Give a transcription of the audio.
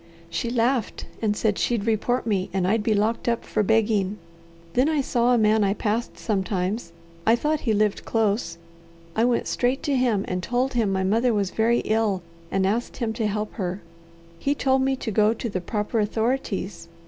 She laughed and said she'd report me and I'd be locked up for begging. Then I saw a man I passed sometimes. I thought he lived close. I went straight to him, and told him my mother was very ill, and asked him to help her. He told me to go to the proper authorities.